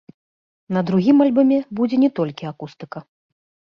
На другім альбоме будзе не толькі акустыка.